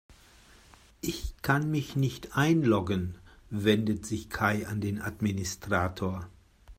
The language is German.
Ich kann mich nicht einloggen, wendet sich Kai an den Administrator.